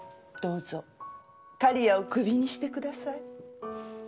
どうぞ狩屋をクビにしてください。